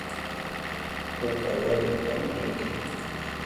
We kawélia ta mu réke.